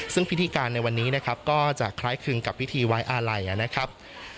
ซึ่งพิธีการในวันนี้นะครับก็จะคล้ายคลึงกับพิธีไว้อาลัยนะครับ